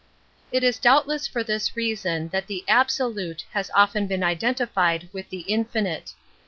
/ It is doubtless for this reason that th6 jl absolute has often been identified with the } infinite.